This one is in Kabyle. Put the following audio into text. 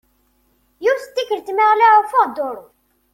Yiwet n tikelt mi ɣliɣ ufiɣ duṛu.